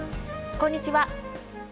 こんにちは。